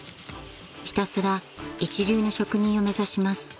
［ひたすら一流の職人を目指します］